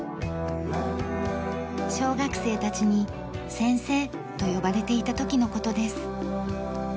小学生たちに「先生」と呼ばれていた時の事です。